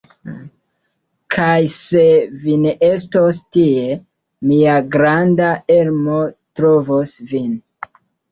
Kaj, se vi ne estos tie, mia granda Elmo trovos vin.